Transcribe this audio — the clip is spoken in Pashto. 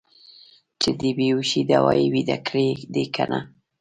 چې د بې هوشۍ دوا یې ویده کړي دي که نه.